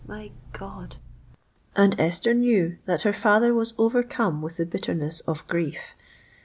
my God!" And Esther knew that her father was overcome with the bitterness of grief.